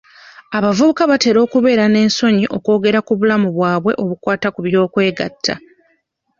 Abavubuka batera okubeera n'ensonyi okwogera ku bulamu bwabwe obukwata ku by'okwegatta.